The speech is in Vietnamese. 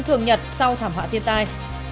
thường nhật sau thảm họa thiên tai